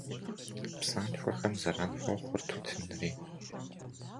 Псантхуэхэм зэран хуохъу тутынри.